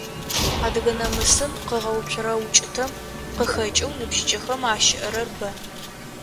Адыгэ намысым къыгъэуцурэ укӀытэм къыхэкӀэу ныбжьыкӀэхэм ащыӀэрэр бэ.